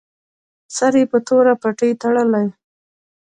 سر یې په توره پټۍ تړلی.